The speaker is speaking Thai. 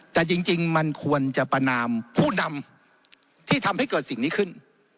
แต่จริงมันควรจะประนามผู้นำที่ทำให้เกิดสิ่งนี้ขึ้น